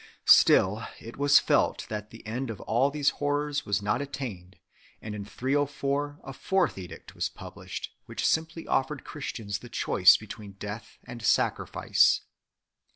Still, it was felt that the end of all these horrors was not attained, and in 304 a fourth edict 4 was published, which simply offered Christians the choice between death and sacrifice.